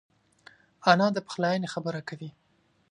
انا د پخلاینې خبره کوي